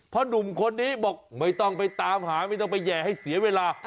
เพราะหนุ่มคนนี้บอกไม่ต้องไปตามหาไม่ต้องไปแห่ให้เสียเวลา